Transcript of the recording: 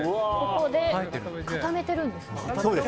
ここで、固めてるんですね。